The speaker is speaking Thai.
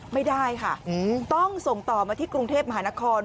ไม่ได้ค่ะต้องส่งต่อมาที่กรุงเทพมหานคร